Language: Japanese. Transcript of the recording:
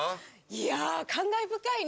いや感慨深いね。